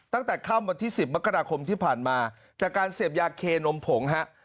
ตั้งแต่ค่ำวันที่๑๐มกราคมที่ผ่านมาจากการเสพยาเคนมผงฮะ